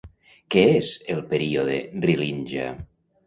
Què és el període Rilindja?